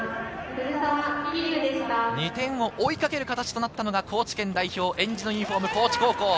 ２点を追いかける形となったのが高知県代表、えんじのユニホーム・高知高校。